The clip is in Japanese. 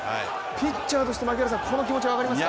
ピッチャーとしてこの気持ち、分かりますか？